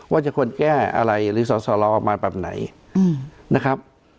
ว่าจะควรแก้อะไรหรือสอสอรอออกมาแบบไหนนะครับ